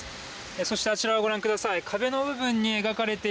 そしてあちらをご覧ください。